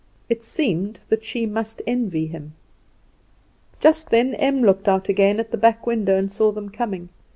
It seemed that she must envy him. Just then Em looked out again at the back window and saw them coming.